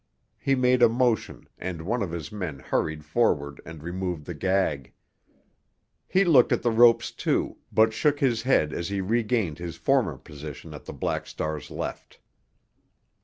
He made a motion, and one of his men hurried forward and removed the gag. He looked at the ropes, too, but shook his head as he regained his former position at the Black Star's left.